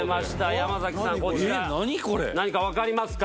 山さんこちら何か分かりますか？